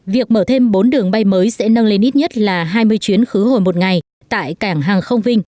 việc mở thêm bốn đường bay mới sẽ nâng lên ít nhất là hai mươi chuyến khứ hồi một ngày tại cảng hàng không vinh